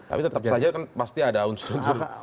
tapi tetap saja kan pasti ada unsur unsur